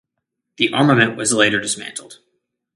The armament was later dismantled.